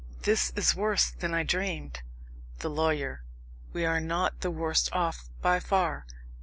This is worse than I dreamed! THE LAWYER. We are not the worst off by far.